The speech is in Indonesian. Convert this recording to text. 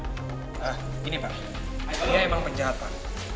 nah gini pak dia emang penjahat pak